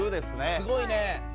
すごいね。